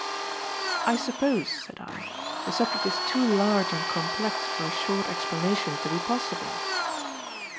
"I suppose," said I, "the subject is too large and complex for a short explanation to be possible."